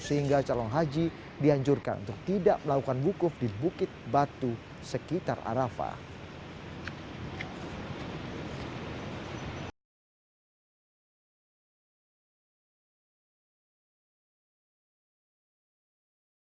sehingga calon haji dianjurkan untuk tidak melakukan wukuf di bukit batu sekitar arafah